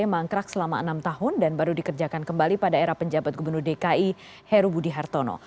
mangkrak selama enam tahun dan baru dikerjakan kembali pada era penjabat gubernur dki heru budi hartono